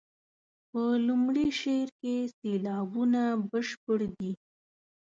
په لومړي شعر کې سېلابونه بشپړ دي.